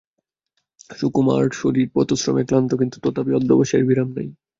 সুকুমার শরীর পথশ্রমে ক্লান্ত, কিন্তু তথাপি অধ্যবসায়ের বিরাম নাই।